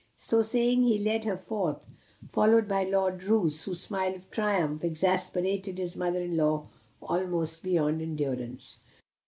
So saying he led her forth, followed by Lord Roos, whose smile of triumph exasperated his mother in law almost beyond endurance.